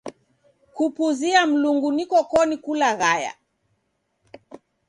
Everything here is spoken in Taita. Kupuzia Mlungu nikokoni kulaghaya.